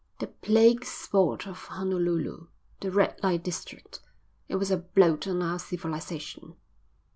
"The plague spot of Honolulu. The Red Light district. It was a blot on our civilisation."